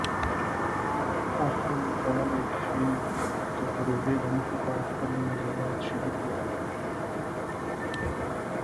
تاسو کولی شئ د پروژې د موخو په اړه خپلې نظریات شریک کړئ.